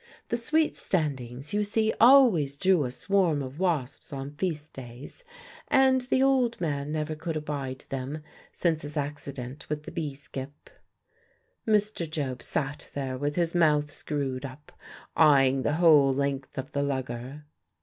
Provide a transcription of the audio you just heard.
The sweet standings, you see, always drew a swarm of wasps on feast days, and the old man never could abide them since his accident with the bee skip. Mr. Job sat there with his mouth screwed up, eyeing the whole length of the lugger.